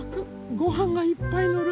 ごはんがいっぱいのる。